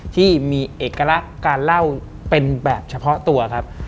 ที่มีเอกลักษณ์การเล่าเป็นแบบเฉพาะตัวครับ